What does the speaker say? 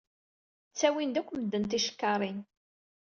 Ttawin-d akk medden ticekkaṛin.